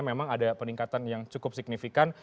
memang ada peningkatan yang cukup signifikan